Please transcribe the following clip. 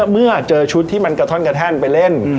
เมื่อเจอชุดที่มันกระท่อนกระแท่นไปเล่น